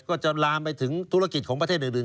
ก็จะลามไปถึงธุรกิจของประเทศอื่น